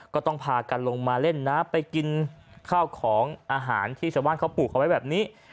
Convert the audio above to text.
ก็ต้องพากันลงมาเล่นน้ำไปกินข้าวของอาหารที่ชาวบ้านเขาปลูกเอาไว้แบบนี้